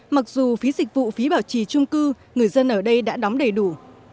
mặc dù phí dịch vụ phí bảo trì trung cư người dân ở đây đã đóng đầy đủ